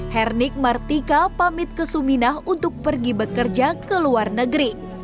hernik martika pamit ke suminah untuk pergi bekerja ke luar negeri